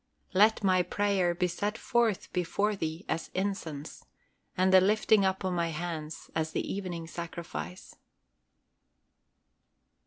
"LET MY PRAYER BE SET FORTH BEFORE THEE AS INCENSE: AND THE LIFTING UP OF MY HANDS AS THE EVENING SACRIFICE."